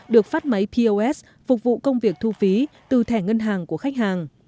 được phát máy pos phục vụ công việc thu phí từ thẻ ngân hàng của khách hàng